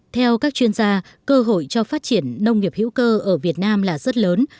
theo các chuyên gia cơ hội cho phát triển nông nghiệp hữu cơ ở việt nam là rất lớn